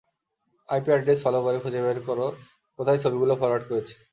IP address follow করে খুঁজে বের করো কোথায় ছবিগুলো ফরোয়ার্ড করেছে।